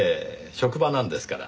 職場なんですから。